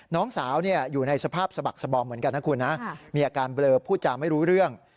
น้องสาวอยู่ในสภาพสบักสบอมเหมือนกันนะคุณนะมีอาการเบลอพูดจาไม่รู้เรื่อง